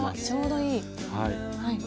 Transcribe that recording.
ちょうどいい。